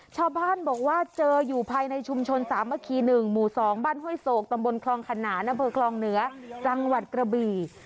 ชาวบ้านบอกว่าเจออยู่ภายในชุมชนสามัคคี๑หมู่๒บ้านห้วยโศกตำบลคลองขนานอำเภอคลองเหนือจังหวัดกระบี่